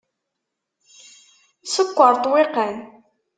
Sekkeṛ ṭṭwiqan.